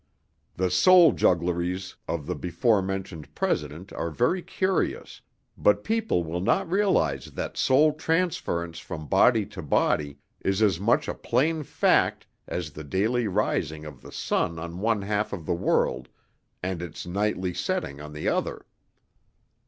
The soul juggleries of the before mentioned President are very curious, but people will not realize that soul transference from body to body is as much a plain fact as the daily rising of the sun on one half of the world and its nightly setting on the other."